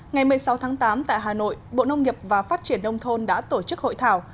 ngày một mươi sáu tháng tám tại hà nội bộ nông nghiệp và phát triển nông thôn đã tổ chức hội thảo